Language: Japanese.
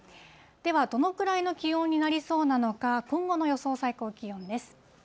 では、どのくらいの気温になりそうなのか、今後の予想最高気温です。